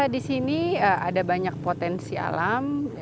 di sini ada banyak potensi alam